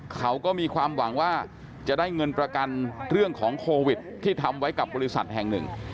เขาก็มีความหวังว่าจะได้เงินประกันเรื่องของโควิดที่ทำไว้กับบริษัทแห่งหนึ่ง